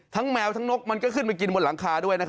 แมวทั้งนกมันก็ขึ้นไปกินบนหลังคาด้วย